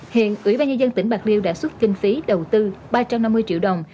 hiện ủy ban nhân dân tỉnh bạc liêu đã xuất kinh phí đầu tư ba trăm năm mươi triệu đồng